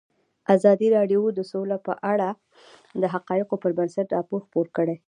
ازادي راډیو د سوله په اړه د حقایقو پر بنسټ راپور خپور کړی.